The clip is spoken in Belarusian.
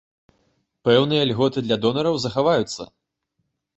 Пэўныя льготы для донараў захаваюцца.